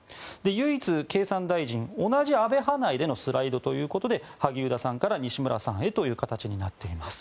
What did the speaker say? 唯一、経産大臣同じ安倍派内でのスライドということで萩生田さんから西村さんへという形になっています。